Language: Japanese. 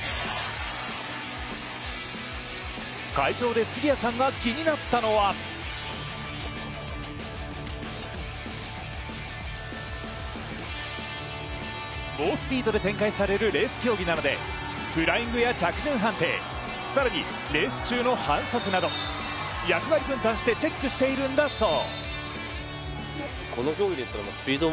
会場で杉谷さんが気になったのは猛スピードで展開されるレース競技なのでフライングや着順判定、さらにはレース中の反則など役割分担してチェックしているんだそう。